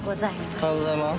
おはようございます。